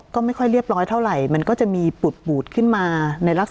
ก็ไม่ค่อยเรียบร้อยเท่าไหร่มันก็จะมีปูดปูดขึ้นมา